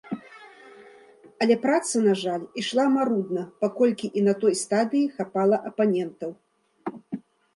Але праца, на жаль, ішла марудна, паколькі і на той стадыі хапала апанентаў.